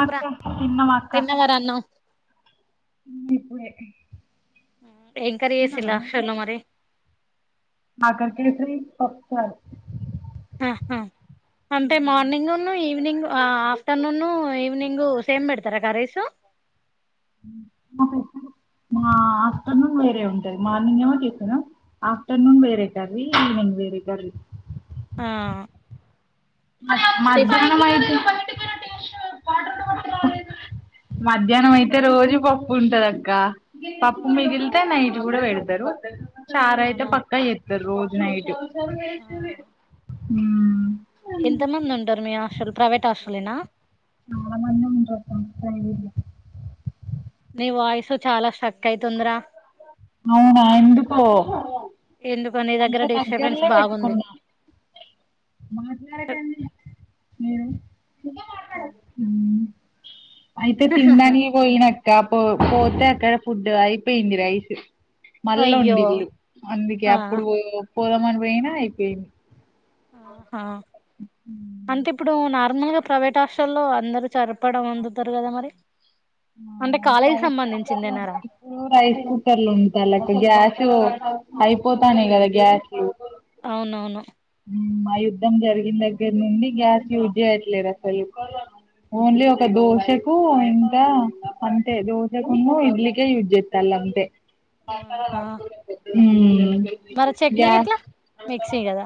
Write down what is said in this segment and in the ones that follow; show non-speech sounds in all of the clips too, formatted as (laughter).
అక్క తిన్నాం అక్కా తిన్నవార అన్నం ఇప్పుడే ఏం కర్రీ చేసిల్లు హాస్టల్లో మరి కాకరకాయ ఫ్రై పప్ కారం హ అంటే మార్నింగ్ను ఈవినింగ్ ఆ ఆఫ్టర్నూను ఈవినింగు సేమ్ పెడతర కర్రీస్ మా ఆఫ్టర్నూన్ వేరే ఉంటది మార్నింగ్ ఏమో టిఫిను ఆఫ్టర్నూన్ వేరే కర్రీ ఈవినింగ్ వేరే దొర్లి ఆ మ టిఫిన్ మధ్యాహ్నం అయితే మధ్యాహ్నం అయితే రోజు పప్పు ఉంటదక్క పప్పు వామ్మో మిగిలితే నైట్ గుడా పెడ్ జరుగు చారయితే అవునా పక్కా చేస్తారు రోజూ నైటు ఆ (unintelligible) హ్మ్ ఎంత మంది ఉంటారు మీ హాస్టల్ ప్రైవేట్ హాస్టలేనా చాలా మందే ఉంటారు (unintelligible) వాయిసు చాలా స్ట్రక్ అయితుందిరా అవునా ఎందుకో ఎందుకో నీ దగ్గర మంచిగా డిస్టర్బెన్స్ దగ్గర్లే బాగుంది పెట్టుకున్న హ్మ్మ్ అయితే తిన్డానికి పోయినట్ కాపో పోతే అక్కడ ఫుడ్ అయిపోయింది రైస్ మళ్ళ అయ్యో ఒండిన్లు అందుకే ఆ అ ఇప్పుడు పోదామన్ పొయిన అయిపోయింది ఆహా అంతే ఇప్పుడు నార్ నార్మల్గా ప్రైవేట్ హాస్టల్లో అందరూ సరిపడ వండుతరు కదా మరి ఆ అంటే కాలేజీకి రైస్ కుక్కర్లు సంబంధించిందేనారా అయిపోతానయి కదా గ్యాస్లు అవునవును హ్మ్మ్ యుద్ధం జరిగిన దగ్గర నుండి గ్యాస్ యూజ్ చేయట్లేదు అసలు ఓన్లీ ఒక దోశకు ఇంకా అంతే దోశకున్న ఇడ్లీకే యూజ్ జేత్తాలు అంతే. ఆహా (unintelligible) హ్మ్మ్ మరి చట్నీ గిట్లా మిక్సి కదా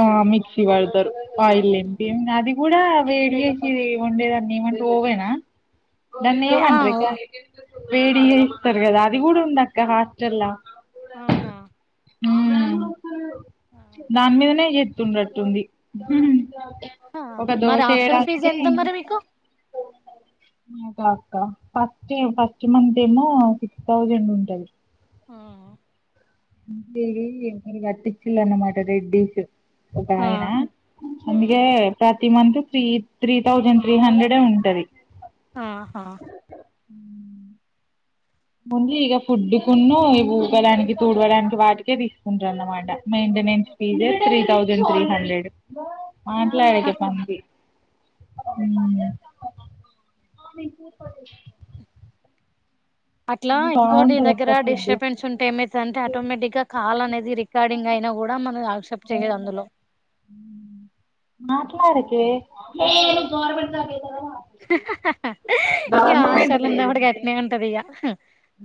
ఆ మిక్సీ వాడతారు పయలేంటి ఉన్నది కూడా వేడిచేసి వండేదాన్ని ఏమంటర్ ఓవేనా దాన్ని దే ఆ ఓ, ఏమంట్రకా వేడిగా ఇస్తారు కదా అది కూడా ఉంద అక్క హాస్టల్లా అవునా హ్మ్మ్ దాన్మీదనే ఎతుండట్టుంది మరి హాస్టల్ ఫీజ్ ఎంత మరి మీకు కాక్క ఫస్ట్ ఫస్ట్ మంత్ ఏమో సిక్స్ థౌజండ్ ఉంటది ఆహా (unintelligible) కట్టిచ్చిళ అన్నమాట రెడ్డీస్ ఆ, ఒకయనా ఆ, ఉందిగా పట్ ప్రతి month three three thousand three హండ్రెడే ఉంటది ఆహా హ్మ్మ్ ఓన్లీ ఇక ఫుడ్ కున్న ఉతకడానికి తూడవడానికి వాటికే తీసుకుంటారు అన్నమాట maintenance fee three thousand three hundred yeah హ, మాట్లాడకే పంది ఉమ్ ఆమె కూపడు అట్లా ఎక్కువ నీ దగ్గర అక్క ఫుడ్ డిస్టర్బెన్స్ ఉంటే ఏమై అంటే ఆటోమేటిక్ గా కాల్ అనేది రికార్డింగ్ అయినా కూడా మన ఎసెప్ట్ చేయరూ అందులో ట్లాడకే ఓ అని గోల పెడ ఇగ హాస్టల్ ఉన్నప్పుడు గట్నే ఉంటది ఇగ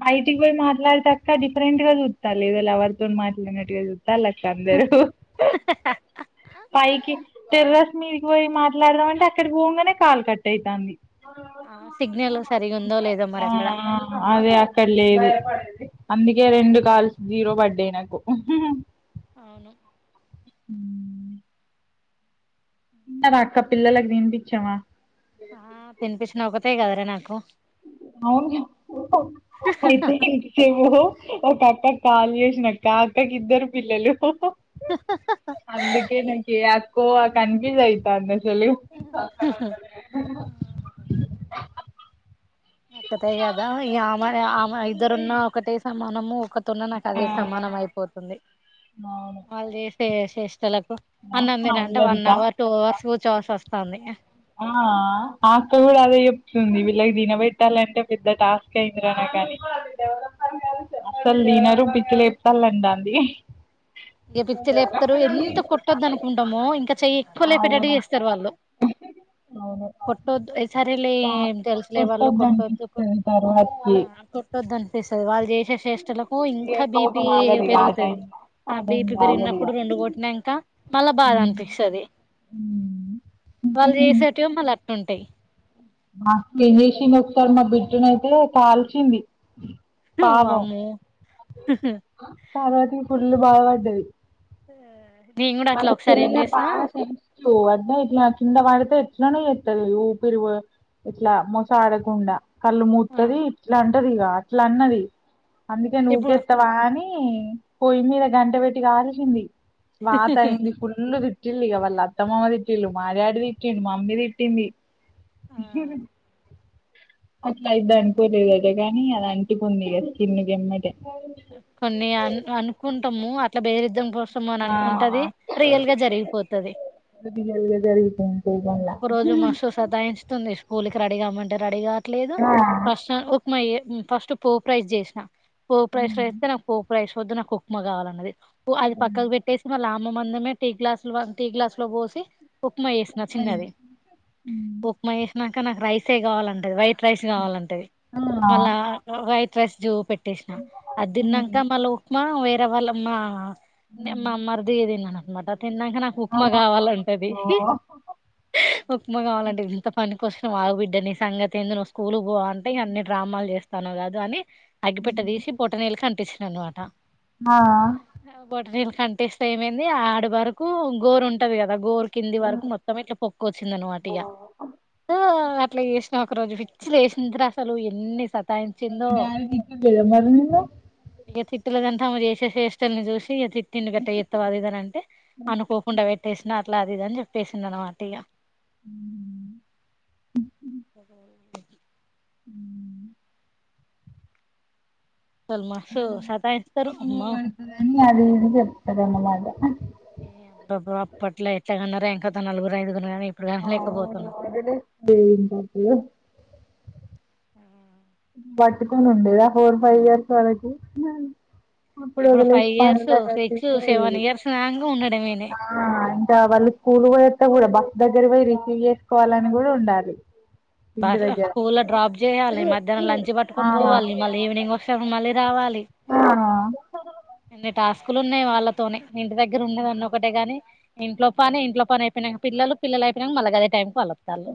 బైటికి పోయి మాట్లాడాక డిఫరెంట్గా చ గది ఏదో లవర్ తో మాట్లాడినట్టు అక్క అందరూ పయికి తెరు రా మీదికి పోయి మాట్లాడదాం అంటే అక్కడికి పోగానే కాలు కట్ అవుతుంది ఆ సిగ్నల్ సరిగా ఉందో లేదో మరి ఆ అక్కడ అదే అక్కడ లేదు అందుకే రెండు కాల్ జీరో బర్డే నాకు అవును హ (inaudible) అక్క పిల్లలకి తినిపించమా ఆ తినిపించిన ఒకతే కదరే నాకు స అవును అయితే ఇ చెేవ ఒక అక్క కాల చేసిన అక్క ఆ అక్కకి ఇద్దరు పిల్లలు అందుకే నేను చేయ అక్కో కాంఫుసే అయితంది ఒకటే కదా ఈ ఆమె ఆమె ఇద్దరున్న ఒకటే మనము ఒకతున్న నాకు ఆ అదే సమానం అయిపోతుంది వాళ్ళు చేసే శేష్టలకు అవును అన్నంతినుటే వన్ అల్లరికా అవర్ టూ అవర్స్ చోస్ వస్తుంది ఆ అక్క కూడా అదే చెప్తుంది వీళ్ళకి తినబెట్టాలంటే పెద్ద టాస్క్ అయిందిరా నాకు కాని అసలు తినరు పిచ్చిలుపుతాలంట అది ఇంక పిక్చర్లుపుతారు ఎంత కొట్టొద్దు అనుకుంటాము ఇంకా చెయ్యి కొల్లే పెటడి అవునా చేస్తారు వాళ్ళు అవును కొట్టొద్దు ఈసారి వెళ్ళి పాపం తెలుసులే వాళ్ళు కొట్టొద్దు కొట్టద్దనిపిస్తది ఆ తర్వాతకి కొట్టొద్దు. అనిపిస్సది వాళ్ జే షే చేష్టలకు ఇగ ఇంకా బీపీ కోపం ఆగదిగా ఆ పెరుగుతది టైం లో ఆ టైం బీపీ లో ఆగదిగా పెరిగినప్పుడు రెండు కొట్టినంకా మళ్ళా బాధ ఉమ్ అనిపిస్సది వాళ్ళు చేసేటివి మళ్ళా, అట్టుంటయ్ మాకు ఏంజేసింది ఒకసారి మా బిడ్డను అయితే కాల్చింది వామ్మో కాబటి ఇపుడు ఇల్లు బాగ పడ్డది (unintelligible) వాళ్ల ఒకసారి ఏం చెల్లినే చేసినా బాగా ఫ్రెండ్స్ తో అడ్నే ఇట్ల కింద వడితే ఎట్లనో ఏత్తది ఊపిరు ఇట్లా మోస ఆడకుండా కళ్ళు ఆ మూత్తది ఇట్లాం టదిగా ఇట్లా అన్నది అందుకే ఇప్పుడు నుకేత్తవా అని పోొ్య మీద గంట పెట్టికి ఆల్సింది పాత అయింది కుల్ తిట్టింది ఇక వాళ్ళ అత్తమ్మమ్మ తిట్టిళ మా డాడ తిట్టింది మా మమ్మీ తిట్టింది ఆ అట్లా ఇది అనికోలేదు అదే కాని అది అంటికుంది కిన్న గమ్మట కొన్ని అ అనుకుంట ము అట్లా బేరిద్దం పో సుమ అని అనుకుంటుది ఆ రియల్ గా జరిగిపోతుది పొలిటికల్ గా జరుగుతుంటాయి మళ్ళా ఒక రోజు మస్తు సదాయించంది స్కూల్కి రెీగామ్మంటే రెీగా లేదు ఆ ఫస్ ఫస్ట్ పో ప్రైజ్ చేసినా పో ప్రేష్ర ఉమ్, ఎతనకువ ఇపస్ వద్దు నాకు ఉప్మా కావాలన్నది అది ఉమ్, పక్కకు పెట్టేసి మళ్ళ అమ్మ మందమే టీ గ్లాస్ టీ గ్లాస్ లో పోసి పుక్మా ఏసిన అదే చిన్నది ఉమ్, పుక్మా ఏసన్నా ఇంకా నాకు రైసే కావాలంటది వై రైస్ కావాలంటది ఆ మళ్ళా స్ట్రె జూ పెట్టు ప్రసిన ఉమ్, తిన్నంక మళ్ళా ఉక్మా వేర వాళ్ళ మా నిమ్ ఉమ్, మా మర్ది దిగా తిన్నాన్ మటన్ తిన్నాక నాకు ఆ, ఉప్మా కావాలంటది ఓ ఉప్మా కావాలంటది ఇంత పని వచ్చినావ ఆగ్ బిడ్డ నీ సంగతెందు నోస్ పూలు గో అంటే ఇంగ అన్ని డ్రామాల్ చేస్ స్తను కదా అని అగ్గి పెట్ట ఉమ్, దీశీ ప్ బోటనేళ్ కనిపిస్ అన్ మాట ఆ బోట నేళ్ కంటిస్త ఏమైంది ఆడి వరకు గోర్ ఉంటది కద్ అ గోరు కింది వరకు మొత్తం ఇట్లా పొక్క వచ్చింది అన్నమాటి ఇగ ఆ అట్లా చేసిన ఒక రోజు ఫి పిచ్చి లేసింది రా అసలు ఎన్ని స మళ్ళ డాడీ తిట్టిండా పోయిరా మరి మీరు ఇగ తిట్టుల తింటామా ఏసే శేఠల్ని చూసి ఇగ తి తిండుకు ఎట్ట చెప్తవ్ అది ఇది అని అంటే అనుకోకుండా పె ట్టేసిన అట్లా ఇది అని చెప్పేసింది అనమాట ఇగ హ్మ్ అసలు మస్తు బన్ సతాయిస్తారు అమ్మో పురుగు అది ఇది చెప్తర్ అనమాట అ ఏ అబ్బబ్బ అప్పట్లో ఎట్లా కన్నారో ఎంకత నలుగురు ఐదుగుర్ కన్ అవును వదిలేస్తావ్ ఎందుకు పట్టుకొనీ ఉండేద ఫోర్ ఫైవ్ ఇయర్స్ వరకి ఇప్పుడు ఫైవ్ వదిలేసి ఇయర్స్ పనులకు అటు సిక్స్ ఇటు సెవెన్ పోయేది ఇయర్స్ దాంక ఉండడా మెనే దా వాళ్ళు స్కూల్ పోయస్త కూడా బస్ దగ్గర పోయి రిసీవ్ చేసుకోవాలని కూడా ఉండాలి ఇంటి బస్ లో దగ్గర స్కూల్లో డ్రాప్ చేయాలి ఈ మధ్య నం లంచ్ ఆ పట్టుకోని ఆ పోవాలి మళీ ఈవినింగ్ వస్ మళీ రావాల్ ఇన్ని టాస్ స్కలు ఉన్నాయి వాళ్ళతోనే ఇంటి దగ్గర ఉండేదాన్ని ఒకటే గాని ఇంట్లో పనీ ఇంట్లో పని అయిపోయినా పిల్లలు, పిలల్ అపోయినంక్ మళ్ళ గాదే టైమ్. పాలో త్తలే.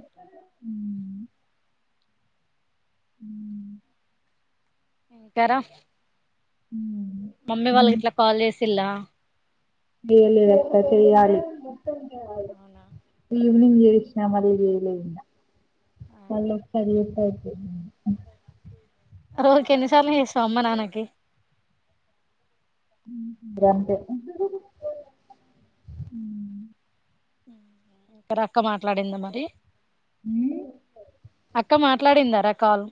ఉమ్. ఇంటా రా. మమ్మీ వాళ్ళక్ గీట్లా కాల్ జేస్. తిల్లా. చెయ్యలేదక్కా చేయ్యాలి. అవునా. ఈవినింగ్ జేసిన, మల్లిచేయాలే ఇంగ. మల్లో ఓస్తది. (unintelligible) రోజ్కి ఎన్నిసార్లు, చేస్తావ్ అమ్మ నాన్నకి. గంతే. ఇక్కడక్క మాట్లాడిందా మరి. అక్క మాట్లాడిందారా కాల్.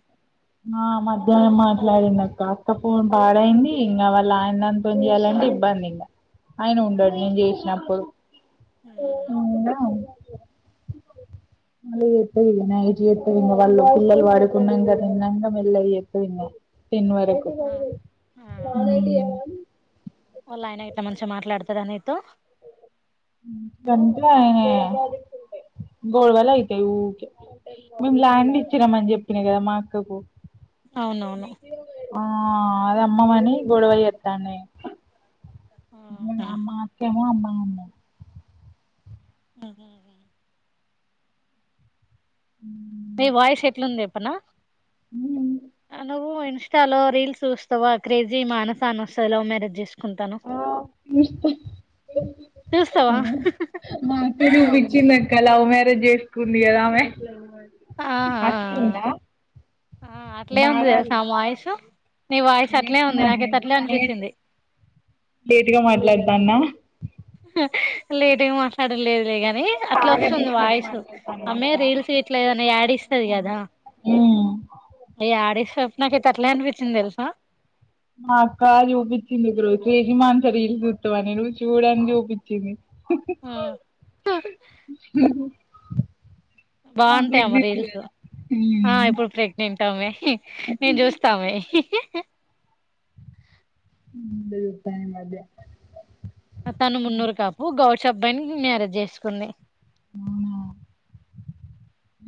ఆ మధ్యాహ్నం మాట్లాడిందక్కా, అక్కపోన్ పాడైంది, ఇంగ వాళ్ళ ఆయన్దంతో చేయాలంటే ఇబ్బంది ఇంగ. ఆయన ఉండడు, నేన్ అవునులే జేసినప్పుడు. ఉమ్ (unintelligible) నైట్ చెత్తావేమో వాళ్ళు పిల్లలు పడుకున్నాకనే. నంగా మెల్లంగ్ చెత్తవ్ ఇంగ. టెన్ వరకు. ఆ ఆ వాళ్ళ ఆయన ఐతే, మంచిగా మాట్లాడ్తాడని. త్త. (unintelligible) గొడవల్ అయితే ఊకే మేం ల్యాండ్ ఇచ్చినామ్ అని జేప్. ఇనే గాద మా. (unintelligible) అవునవును. ఆ అది అమ్మమని గోడవ చెత్తన్నై. ఉమ్ మా అక్కేమో అమ్మా. అమ్మ ఉమ్. ఉమ్. మీ వాయిస్ ఎట్లుంది జేప్పనా. ఉమ్. నువ్వు ఇన్స్టా లో, రీల్స్ చూస్తావా క్రేజీ మానసా అనీ ఓస్తాది. లవ్ మ్యారేజ్ జేస్. కుంతాను. చూస్తావా కా, లవ్ మ్యారేజ్ జేస్కుంది గాదా ఆమె. ఆ ఆ ఆ ఆ అట్లే ఉంది తెల్సా, ఆమె వాయిసు. లేట్గాట్ట్ అనిపించింది లేట్గా మాట్లాడతాన్న లేదువి మాట్లాడలేదు ని అట్లా వస్తుంది వాయిస్ ఆమె రీల్స్ ఇట్లాదని యాడిస్తుది కదా అవి యాడిస్తప్పు నాక అయితే అట్లే అనిపించింది తెలుసా మా అక్క చూపించింది ఇప్పుడు తేజమాన్ సీల్లు చుస్తమని నువ్వు చూడని చూపించింది ఆ! ఆమె బాగుంటాయ అమ్మ ప్రెగ్నెంట్ రీల్స్ కదా ఆ ఇప్పుడు ప్రెగ్నెంట్ మ నేను చూస్తామ టై అద తను మున్నూరు కాపు గౌష్ అబ్బాయిని మ్యారేజ్ చేసుకుంది ఆ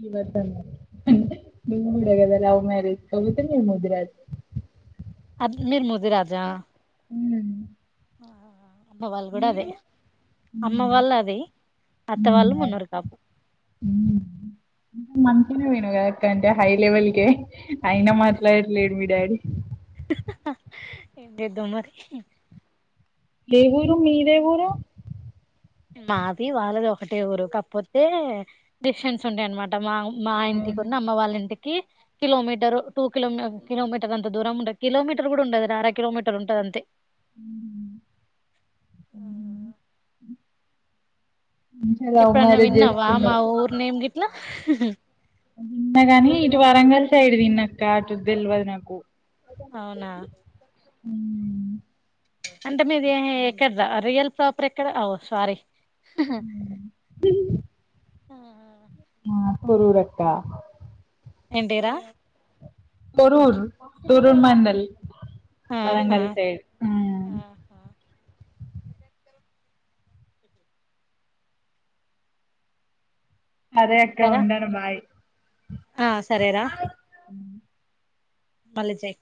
ఇవత ఊడిగదా లవ్ మ్యారేజ్ కగుతే ని ముదిర అ అది మీరు ముది రాజా ఆ మీరు వాళ్ళు అది అత్త వాళ్ళు అ మున్నూరు కాపు మంతిన వ ఎంటే హై లెవెల్కే అయినా మాట్లాడలేదు మీ డాడీ ఎంటిద్ద మరి ఏ ఊరు మీదే ఊరు మాది వాళ్ళది ఒకటే ఊరు కాకపోతే డిఫెన్స్ ఉంటాయ అనమాట మా మా అవునా ఇంటికిన్న అమ్మ వాళ్ళ ఇంటికి కిలోమీటర్ టూ కిలోమ కిలోమీటర్ అంత దూర ఉండదు కిలోమీటర్ కూడా ఉండది అర కిలోమీటర్ ఉంటది అంతే మంచిగా లవ్ ఎప్పుడన్నా మ్యారేజ్ విన్నావా మా చేసుకున్నావ్ ఊరు నేమ్ గిట్లా విన్న గాని ఇటు వరంగల్ సైడ్ తిన్నాక్క అటు తెలివదు నాకు. అవునా హ అంటే మీది ఎక్కడ రియల్ ప్రాపర్ ఎక్కడ సారీ గురు రక్క ఏంటిరా తురూర్ తురూర్ మండల్ ఆహా వరంగల్ సైడ్ ఆహా అదే అక్క ఇంకారా ఉండను బాయ్ ఆ సరేరా అ మళ్లీ చెయ్